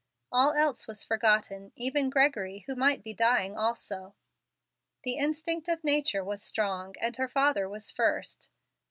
All else was forgotten, even Gregory, who might be dying also. The instinct of nature was strong, and her father was first.